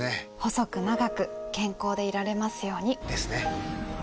細く長く健康でいられますように。ですね。